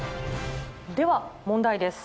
では問題です。